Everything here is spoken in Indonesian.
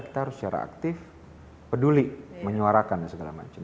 kita harus secara aktif peduli menyuarakan dan segala macam